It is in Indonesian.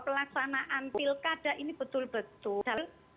pelaksanaan pilkada ini betul betul